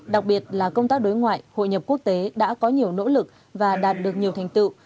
đặc biệt là công tác đối ngoại hội nhập quốc tế đã có nhiều nỗ lực và đạt được nhiều thành tựu